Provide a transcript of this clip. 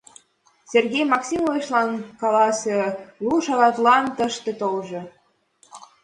Сергей Максимычлан каласе: лу шагатлан тышке толжо.